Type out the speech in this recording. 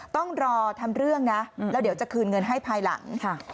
ต้องรอทำเรื่องนะแล้วเดี๋ยวจะคืนเงินให้ภายหลัง